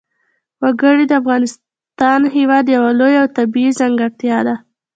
وګړي د افغانستان هېواد یوه لویه او طبیعي ځانګړتیا ده.